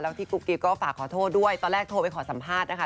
พี่กุ๊กกิ๊บก็ฝากขอโทษด้วยตอนแรกโทรไปขอสัมภาษณ์นะคะ